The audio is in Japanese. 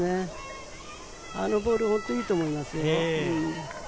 あのボール、本当にいいと思いますよ。